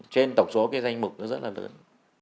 trên tổng số cái danh mục nó rất là lớn